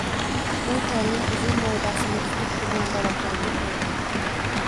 U tolning uzun novdasini tutib turgan bolakayni ko‘rdi.